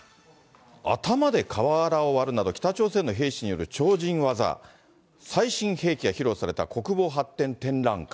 頭で瓦を割るなど、北朝鮮の兵士による超人技、最新兵器が披露された国防発展展覧会。